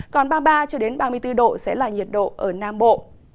còn ba mươi ba ba mươi bốn độ sẽ là nhiệt độ ở nam bộ